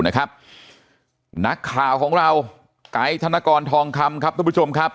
นะครับนักข่าวของเราก๋ายธนกรทองคำครับทุกผู้ชมครับ